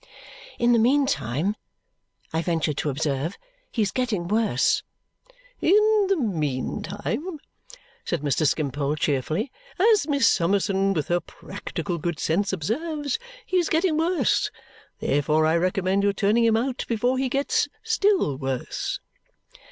"In the meantime," I ventured to observe, "he is getting worse." "In the meantime," said Mr. Skimpole cheerfully, "as Miss Summerson, with her practical good sense, observes, he is getting worse. Therefore I recommend your turning him out before he gets still worse."